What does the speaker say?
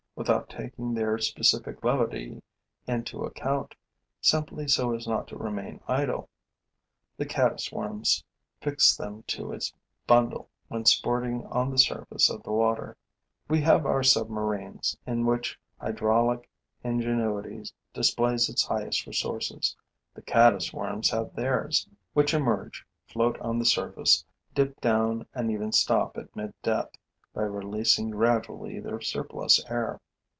Without taking their specific levity into account, simply so as not to remain idle, the caddis worm fixed them to its bundle when sporting on the surface of the water. We have our submarines, in which hydraulic ingenuity displays its highest resources. The caddis worms have theirs, which emerge, float on the surface, dip down and even stop at mid depth by releasing gradually their surplus air.